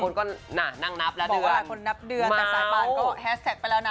บอกว่าหลายคนนับเดือนแต่สายป่านก็แฮสแท็กไปแล้วนะ